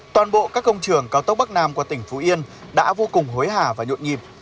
toàn bộ các công trường cao tốc bắc nam qua tỉnh phú yên đã vô cùng hối hả và nhộn nhịp